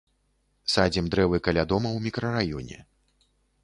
Садзім дрэвы каля дома ў мікрараёне.